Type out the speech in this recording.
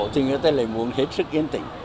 thì người ta lại muốn hết sức yên tĩnh